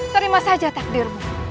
terima saja takdirmu